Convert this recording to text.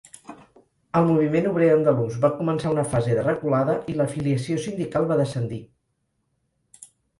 El moviment obrer andalús va començar una fase de reculada, i l'afiliació sindical va descendir.